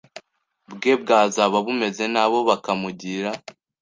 bwe bwazaba bumeze, nabo bakamugira